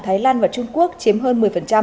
thái lan và trung quốc chiếm hơn một mươi